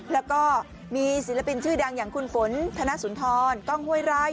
แล้วก็มีศิลปินชื่อดังอย่างคุณฝนธนสุนทรกล้องห้วยไร่